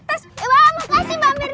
yah kita nyari heure